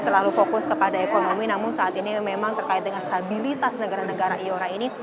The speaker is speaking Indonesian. terlalu fokus kepada ekonomi namun saat ini memang terkait dengan stabilitas negara negara iora ini